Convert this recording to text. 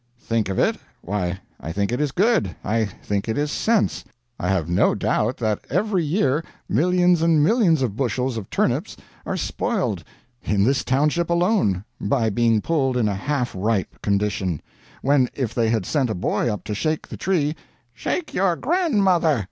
"Think of it? Why, I think it is good. I think it is sense. I have no doubt that every year millions and millions of bushels of turnips are spoiled in this township alone by being pulled in a half ripe condition, when, if they had sent a boy up to shake the tree " "Shake your grandmother!